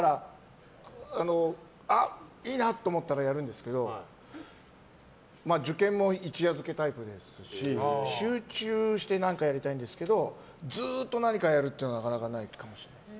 いいなと思ったらやるんですけど受験も一夜漬けタイプですし集中して何かやりたいんですけどずっと何かやるってなかなかないかもしれないです。